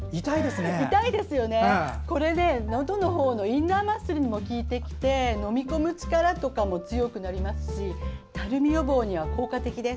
これ、のどのほうのインナーマッスルにも効いてきて飲み込む力とかも強くなりますしたるみ予防には効果的です。